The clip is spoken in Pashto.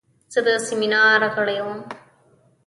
زه د سیمینار غړی وم.